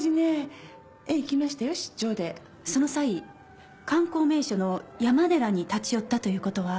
その際観光名所の山寺に立ち寄ったということは？